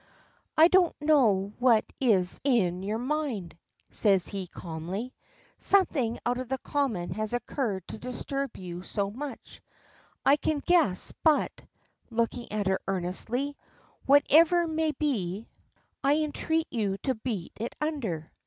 "I don't know what is in your mind," says he, calmly; "something out of the common has occurred to disturb you so much, I can guess, but," looking at her earnestly, "whatever it maybe, I entreat you to beat it under.